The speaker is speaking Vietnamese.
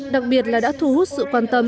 đặc biệt là đã thu hút sự quan tâm